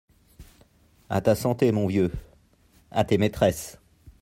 À ta santé, mon vieux !… à tes maîtresses !…